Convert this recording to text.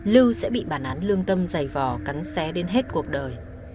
lưu sẽ bị bản án lương tâm dày vò cắn xé đến hết cuộc đời